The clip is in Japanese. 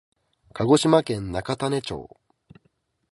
鹿児島県中種子町